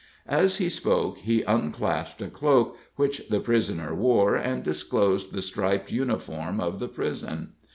As he spoke, he unclasped a cloak which the prisoner wore, and disclosed the striped uniform of the prison.